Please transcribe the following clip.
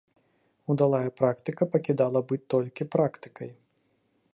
Удалая практыка пакідала быць толькі практыкай.